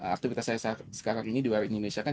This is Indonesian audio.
aktivitas saya sekarang ini di luar indonesia kan